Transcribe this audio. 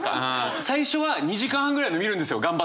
最初は２時間半ぐらいの見るんですよ頑張って。